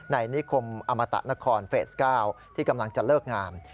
นิคมอมตะนครเฟส๙ที่กำลังจะเลิกงาม